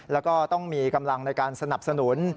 แล้วก็ต้องมีกำลังในการสนับสนุน